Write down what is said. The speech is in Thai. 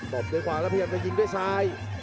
บด้วยขวาแล้วพยายามจะยิงด้วยซ้าย